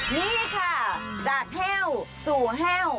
นี่ค่ะจากแห้วสู่แห้ว